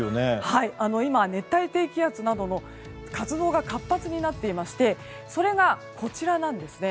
今、熱帯低気圧などの活動が活発になっていましてそれが、こちらなんですね。